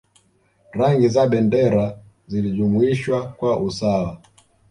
Rangi za bendera zilijumuishwa kwa usawa